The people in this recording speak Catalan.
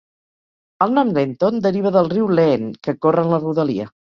El nom "Lenton" deriva del riu Leen, que corre en la rodalia.